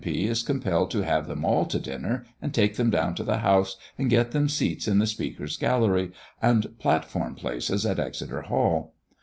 P., is compelled to have them all to dinner, and take them down to the house, and get them seats in the speaker's gallery, and platform places at Exeter Hall.